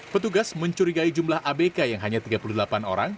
petugas mencurigai jumlah abk yang hanya tiga puluh delapan orang